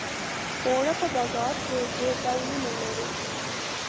اوړه په بازار کې ډېر ډولونه لري